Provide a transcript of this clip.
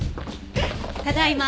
ただいま。